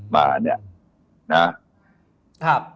มาเนี่ยนะ